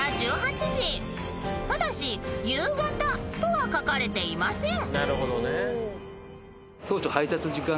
［ただし夕方とは書かれていません］